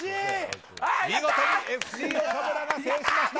見事にＦＣ岡村が制しました。